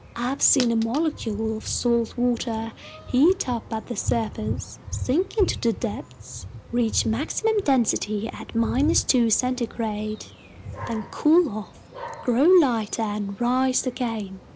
I've seen a molecule of salt water heat up at the surface, sink into the depths, reach maximum density at 2 degrees centigrade, then cool off, grow lighter, and rise again.